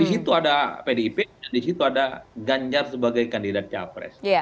di situ ada pdip di situ ada ganjar sebagai kandidat capres